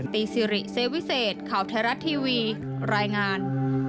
สิริเซวิเศษข่าวไทยรัฐทีวีรายงาน